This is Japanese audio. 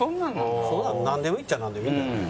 そんなのなんでもいいっちゃなんでもいいんだね。